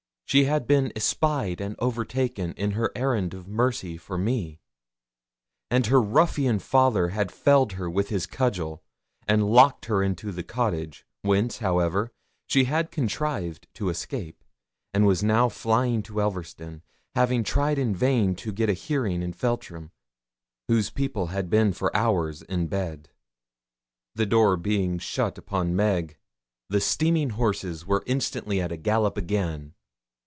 She had been espied and overtaken in her errand of mercy for me, and her ruffian father had felled her with his cudgel, and then locked her into the cottage, whence, however, she had contrived to escape, and was now flying to Elverston, having tried in vain to get a hearing in Feltram, whose people had been for hours in bed. The door being shut upon Meg, the steaming horses were instantly at a gallop again.